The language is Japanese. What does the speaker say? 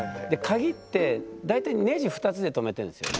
鍵って大体ネジ２つで留めてるんですよ。